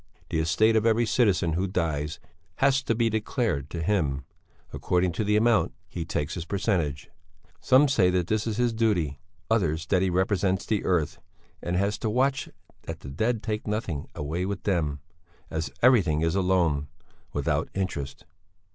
The estate of every citizen who dies has to be declared to him; according to the amount he takes his percentage; some say that this is his duty; others that he represents the Earth, and has to watch that the dead take nothing away with them, as everything is a loan without interest.